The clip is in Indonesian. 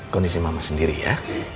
kondisi mama sendiri ya